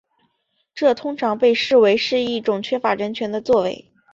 这通常被视为是一种缺乏人权的作为。